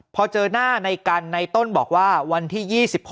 พอเจอหน้าในกันในต้นบอกว่าวันที่๒๖